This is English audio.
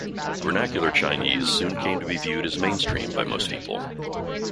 Vernacular Chinese soon came to be viewed as mainstream by most people.